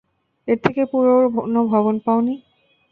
এর থেকে পুরোনো ভবন পাওনি?